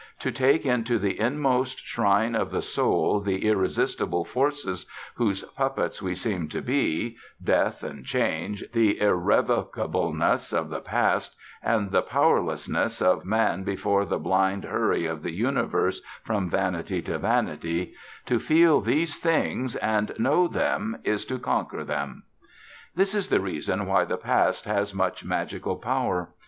To take into the inmost shrine of the soul the irresistible forces whose puppets we seem to be Death and change, the irrevocableness of the past, and the powerlessness of man before the blind hurry of the universe from vanity to vanity to feel these things and know them is to conquer them. This is the reason why the Past has such magical power.